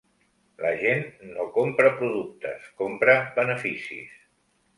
La gent no compra productes, compra beneficis.